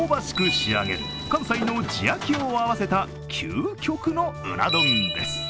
仕上げる、関西の地焼きを合わせた究極のうな丼です。